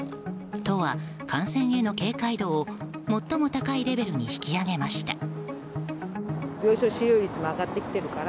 都は感染への警戒度を最も高いレベルに引き上げました。